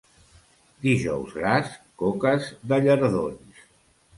Dijous Gras, coques de llardons.